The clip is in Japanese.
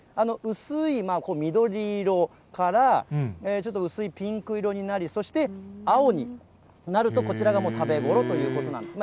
薄い緑色から、ちょっと薄いピンク色になり、そして青になると、こちらがもう食べごろということなんです。